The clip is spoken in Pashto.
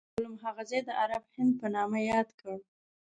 کولمب هغه ځای د غرب هند په نامه یاد کړ.